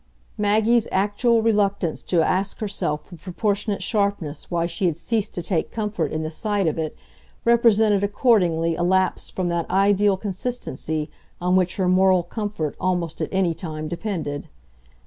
Maggie's actual reluctance to ask herself with proportionate sharpness why she had ceased to take comfort in the sight of it represented accordingly a lapse from that ideal consistency on which her moral comfort almost at any time depended.